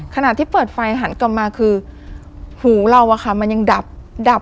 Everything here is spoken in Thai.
ขณะที่เปิดไฟหันกลับมาคือหูเราอะค่ะมันยังดับดับ